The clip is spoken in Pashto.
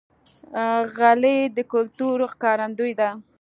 غلۍ د کلتور ښکارندوی ده.